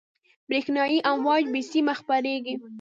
برېښنایي امواج بې سیمه خپرېږي.